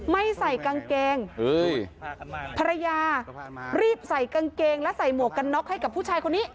ไม่ใส่กางเกงภรรยารีบใส่กางเกงและใส่หมวกกันน็อกให้กับผู้ชายคนนี้